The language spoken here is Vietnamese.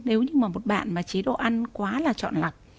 nếu như mà một bạn mà chế độ ăn quá là chọn lọc